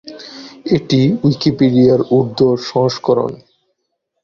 এটি উইকিপিডিয়ার উর্দু সংস্করণ।